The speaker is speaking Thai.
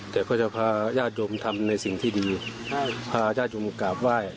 แต่ก็จะพาญาติโยมทำในสิ่งที่ดีพาญาติโยมมากราบไหว้